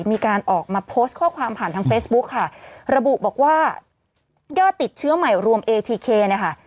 มีการออกมาโพสต์ข้อความผ่านทางเฟซบุ๊คค่ะระบุบอกว่ายอดติดเชื้อใหม่รวมเอทีเคเนี่ยค่ะ